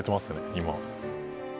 今。